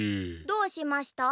どうしました？